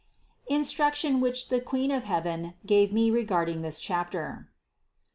INSTRUCTION WHICH THE QUEEN OF HEAVEN GAVE ME REGARDING THIS CHAPTER. 238.